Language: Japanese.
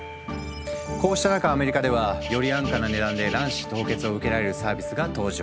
こうした中アメリカではより安価な値段で卵子凍結を受けられるサービスが登場。